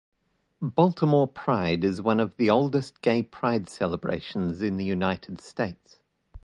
Baltimore Pride is one of the oldest gay pride celebrations in the United States.